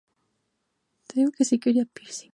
Solamente Oklahoma tuvo una contienda competitiva.